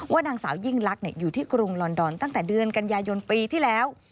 นางสาวยิ่งลักษณ์อยู่ที่กรุงลอนดอนตั้งแต่เดือนกันยายนปีที่แล้ว